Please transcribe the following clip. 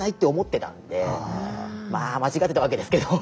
まあ間違ってたわけですけど。